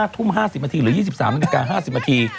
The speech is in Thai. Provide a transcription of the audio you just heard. ทุ่ม๕๐นาทีหรือ๒๓นาฬิกา๕๐นาที